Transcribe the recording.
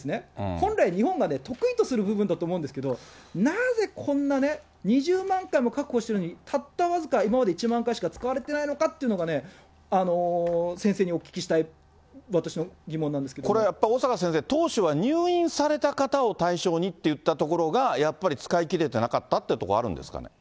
本来、日本が得意とする部分だと思うんですけど、なぜこんな２０万回も確保しているのに、たった僅か今まで１万回しか使われてないのかというのが、先生にお聞きしたい、これやっぱ小坂先生、当初は入院された方を対象にといったところがやっぱり、使いきれてなかったっていうところあるんですかね。